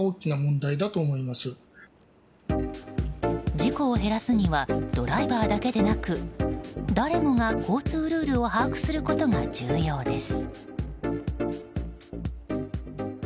事故を減らすにはドライバーだけでなく誰もが交通ルールを把握することが重要です。